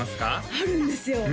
あるんですよ